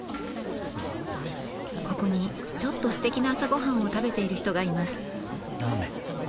ここにちょっとすてきな朝ごはんを食べている人がいます。